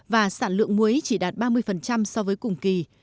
và sản lượng muối chỉ đạt ba mươi so với cùng kỳ